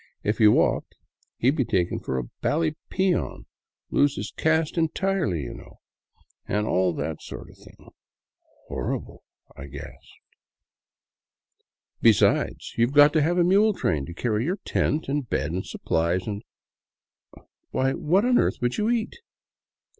If he walked, he 'd be taken for a bally peon, lose his caste entirely, y* know, and all that sort of thing." " Horrible !" I gasped. 39 VAGABONDING DOWN THE ANDES " Besides, you 've got to have a mule train to carry your tent and bed and supplies and ... Why, what on earth would you eat?"